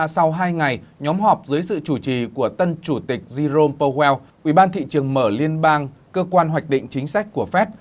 trong hai ngày nhóm họp dưới sự chủ trì của tân chủ tịch jerome powell ubthm liên bang cơ quan hoạch định chính sách của phép